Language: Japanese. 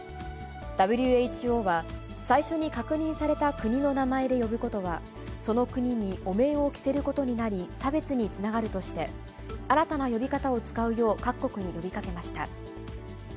ＷＨＯは、最初に確認された国の名前で呼ぶことは、その国に汚名をきせることになり差別につながるとして、新たな呼び方を使うよう、各国に呼びかけました。